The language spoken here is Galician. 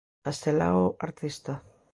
Castelao Artista.